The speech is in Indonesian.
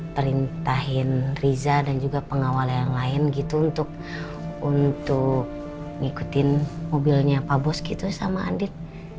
perintahin riza dan juga pengawal yang lain gitu untuk ngikutin mobilnya pak bos gitu sama adit